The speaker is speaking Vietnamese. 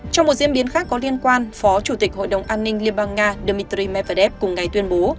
trong một diễn biến khác có liên quan phó chủ tịch hội đồng an ninh liên bang nga dmitry medvedev cùng ngày tuyên bố